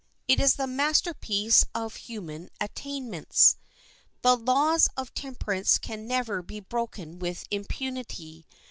It is the masterpiece of human attainments. The laws of temperance can never be broken with impunity.